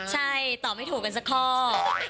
ใช่ตอบไม่ถูกกันสักข้อ